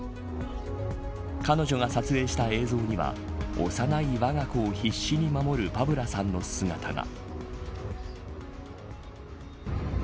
彼女が撮影した映像には幼いわが子を必死に守るパブラさんの姿が。